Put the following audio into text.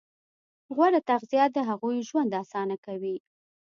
غوره تغذیه د هغوی ژوند اسانه کوي.